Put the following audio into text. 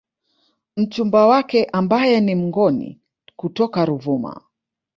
Mchumba wake ambaye ni Mngoni kutoka Ruvuma